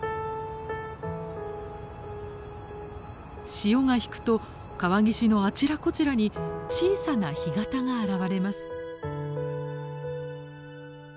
潮が引くと川岸のあちらこちらに小さな干潟が現れます。